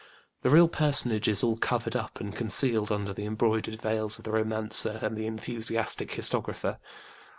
The real personage is all covered up and concealed under the embroidered veils of the romancer and the enthusiastic historiographer.